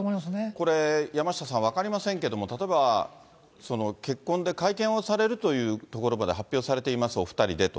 これ、山下さん、分かりませんけど、例えば、結婚で会見をされるというところまで発表されています、お２人でと。